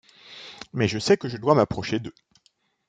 Mais je sais que je dois m’approcher d’eux.